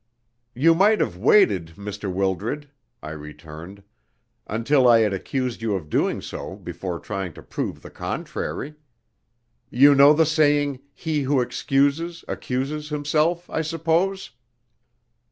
"You might have waited, Mr. Wildred," I returned, "until I had accused you of doing so before trying to prove the contrary. You know the saying, 'He who excuses, accuses himself,' I suppose?"